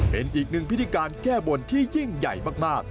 เป็นอีกหนึ่งพิธีการแก้บนที่ยิ่งใหญ่มาก